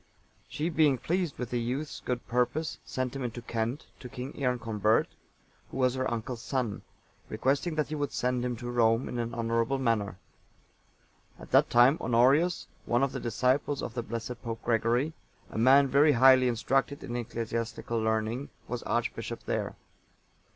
She, being pleased with the youth's good purpose, sent him into Kent, to King Earconbert,(894) who was her uncle's son, requesting that he would send him to Rome in an honourable manner. At that time, Honorius,(895) one of the disciples of the blessed Pope Gregory, a man very highly instructed in ecclesiastical learning, was archbishop there.